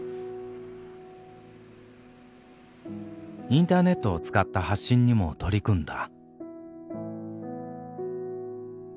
インターネットを使った発信にも取り組んだ。